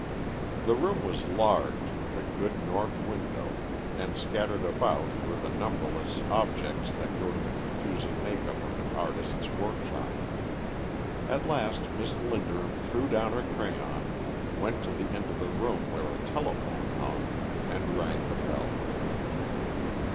The room was large, with a good north window, and scattered about were the numberless objects that go to the confusing make up of an artist's workshop. At last Miss Linderham threw down her crayon, went to the end of the room where a telephone hung, and rang the bell.